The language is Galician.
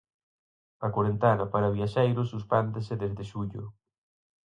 A corentena para viaxeiros suspéndese desde xullo.